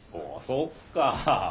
そっかぁ。